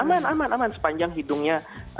aman aman sepanjang hidungnya